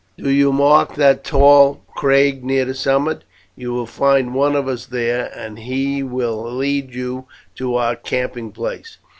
Do you mark that tall craig near the summit; you will find one of us there, and he will lead you to our camping place.